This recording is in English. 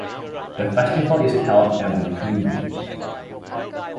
The festival is held every two years.